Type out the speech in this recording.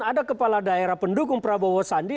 ada kepala daerah pendukung prabowo sandi